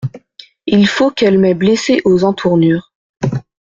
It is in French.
Il faut qu’elles m’aient blessé aux entournures.